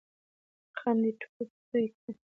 غم دې ټول توی کړل!